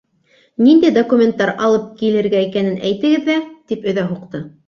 Ниндәй документтар алып килергә икәнен әйтегеҙ ҙә, - тип өҙә һуҡты.